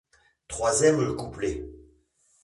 Troisième couplet !